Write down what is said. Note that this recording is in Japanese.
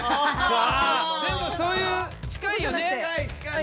でもそういう近い近い！